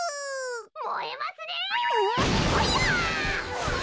もえますねえ！